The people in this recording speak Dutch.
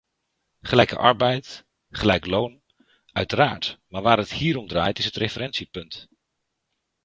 Gelijke arbeid, gelijk loon, uiteraard, maar waar het hier om draait is het referentiepunt.